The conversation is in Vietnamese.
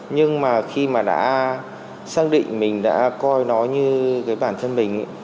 nhưng mà khi mà đã xác định mình đã coi nó như cái bản thân mình